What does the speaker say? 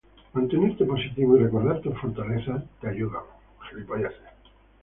Mantenerte positivo y recordar tus fortalezas te ayuda